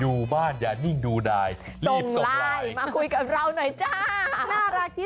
อยู่บ้านอย่านิ่งดูได้